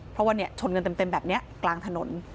เพราะว่าชนกันเต็มแบบนี้กลางถนน